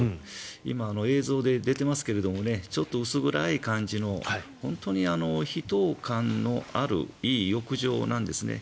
今、映像で出ていますけれどちょっと薄暗い感じの本当に秘湯感のあるいい浴場なんですね。